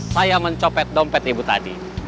saya mencopet dompet ibu tadi